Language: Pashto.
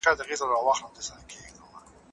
دا د معلوماتو سرچينه ده.